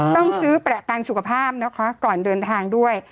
ต้องซื้อประกันสุขภาพนะคะก่อนเดินทางด้วย